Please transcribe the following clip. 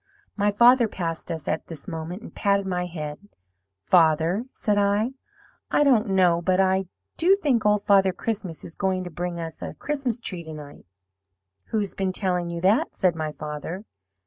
"My father passed us at this moment, and patted my head. 'Father,' said I, 'I don't know, but I do think Old Father Christmas is going to bring us a Christmas tree to night.' "'Who's been telling you that?' said my father.